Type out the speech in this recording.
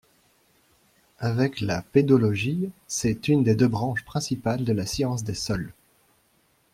Avec la pédologie, c'est une des deux branches principales de la science des sols.